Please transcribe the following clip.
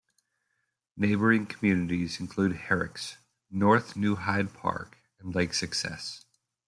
Neighboring communities include Herricks, North New Hyde Park, and Lake Success.